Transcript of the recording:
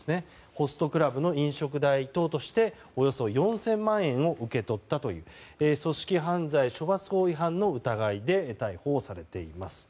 ホストクラブの飲食代等としておよそ４０００万円を受け取ったという組織犯罪処罰法違反の疑いで逮捕されています。